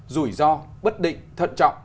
rủi ro bất định thận trọng